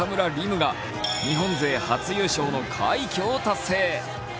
夢が日本勢初優勝の快挙を達成。